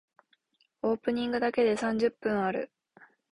オープニングだけで三十分ある。